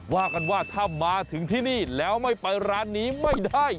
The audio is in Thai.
ว่ากันว่าถ้ามาถึงที่นี่แล้วไม่ไปร้านนี้ไม่ได้